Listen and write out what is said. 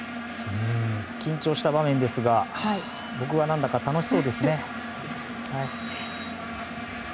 緊張した場面ですが僕は、なんだか楽しそうですね。